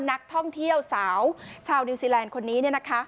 นักท่องเที่ยวสาวชาวนิวซีแลนด์คนนี้